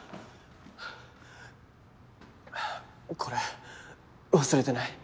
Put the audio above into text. これ忘れてない？